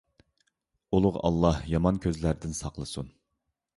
ئۇلۇغ ئاللاھ يامان كۆزلەردىن ساقلىسۇن!